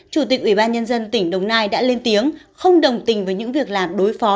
chủ tịch ủy ban nhân dân tỉnh đồng nai đã lên tiếng không đồng tình với những việc làm đối phó